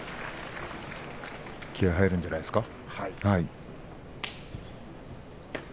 気合い入るんじゃないですか。